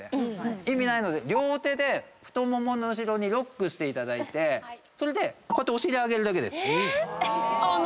意味ないので両手で太ももの後ろにロックしていただいてそれでこうやってお尻上げるだけです。